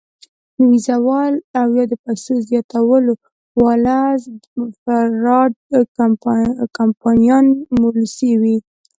وېزو واله او يا د پېسو زياتولو واله فراډ کمپنيانې ملوثې وي -